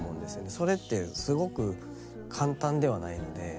それってすごく簡単ではないので。